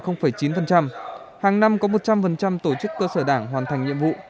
hàng năm có một trăm linh tổ chức cơ sở đảng hoàn thành nhiệm vụ